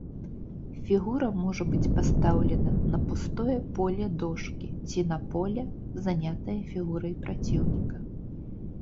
Фігура можа быць пастаўлена на пустое поле дошкі ці на поле, занятае фігурай праціўніка.